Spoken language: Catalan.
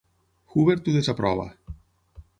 Hubert ho desaprova.